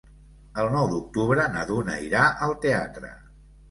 El nou d'octubre na Duna irà al teatre.